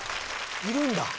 いるんだ。